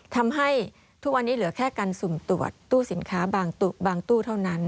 ทำให้ทุกวันนี้เหลือแค่การสุ่มตรวจตู้สินค้าบางตู้เท่านั้น